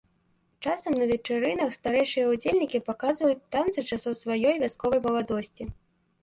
Часам на вечарынах старэйшыя ўдзельнікі паказваюць танцы часоў сваёй вясковай маладосці.